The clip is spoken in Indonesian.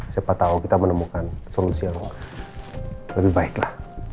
siapa tahu kita menemukan solusi yang lebih baik lah